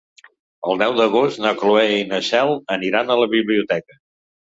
El deu d'agost na Cloè i na Cel aniran a la biblioteca.